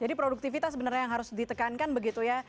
jadi produktivitas sebenarnya yang harus ditekankan begitu ya